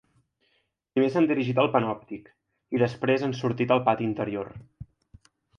Primer s’han dirigit al panòptic i, després, han sortit al pati interior.